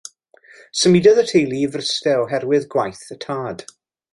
Symudodd y teulu i Fryste o herwydd gwaith y tad.